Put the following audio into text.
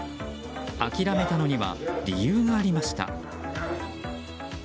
諦めたのには理由がありました。